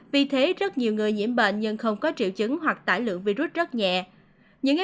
vì thế rất nhiều người nhiễm bệnh nhưng không có triệu chứng hoặc tải lượng virus rất nhẹ